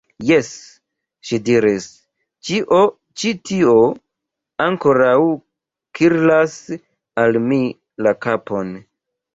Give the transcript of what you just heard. Jes, ŝi diris, ĉio ĉi tio ankoraŭ kirlas al mi la kapon.